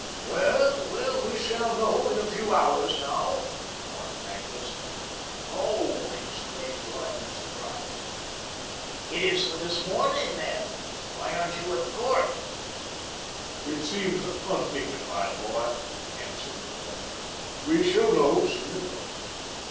"Well, well, we shall know in a few hours now," remarked Magnus. "Oh," exclaimed Lyman, surprised, "it is for this morning, then. Why aren't you at the court?" "It seemed undignified, boy," answered the Governor. "We shall know soon enough."